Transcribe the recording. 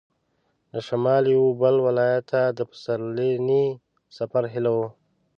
د شمال یوه بل ولایت ته د پسرلني سفر هیله وه.